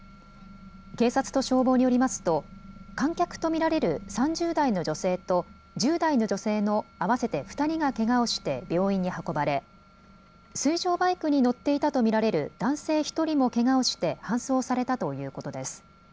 警察と消防によりますと、観客と見られる３０代の女性と１０代の女性の合わせて２人がけがをして病院に運ばれ、水上バイクに乗っていたと見られる男性１人もけがをして搬送されたということです。